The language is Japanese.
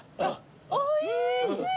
おいしい！